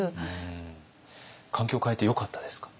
環境変えてよかったですか？